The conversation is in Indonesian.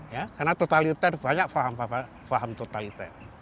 ya karena totaliter banyak faham faham totaliter